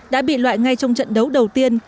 đã bị loại ngay trong trận đấu đầu tiên